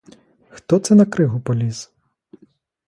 Хто це на кригу поліз?